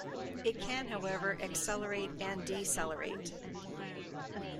It can, however, accelerate and decelerate.